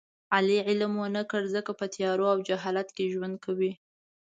علي علم و نه کړ ځکه په تیارو او جهالت کې ژوند کوي.